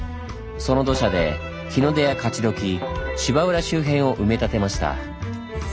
その土砂で日の出や勝どき芝浦周辺を埋め立てました。